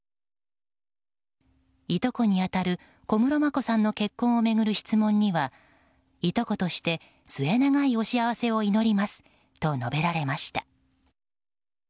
いとこに当たる小室眞子さんの結婚を巡る質問にはいとことして末永いお幸せを祈りますと述べられました。